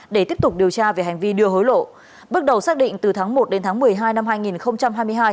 để tiếp tục điều tra về hành vi đưa hối lộ bước đầu xác định từ tháng một đến tháng một mươi hai năm hai nghìn hai mươi hai